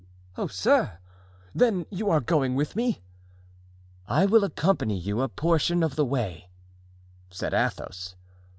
"Oh, sir! then you are going with me?" "I will accompany you a portion of the way," said Athos.